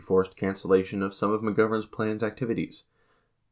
201 forced cancellation of some of McGovern's planned activities.